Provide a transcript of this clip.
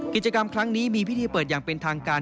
กิจกรรมครั้งนี้มีพิธีเปิดอย่างเป็นทางการ